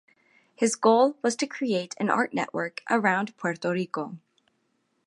His goal was to create an art network around Puerto Rico.